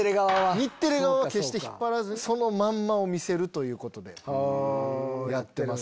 日テレ側は決して引っ張らずそのまんまを見せるということでやってます。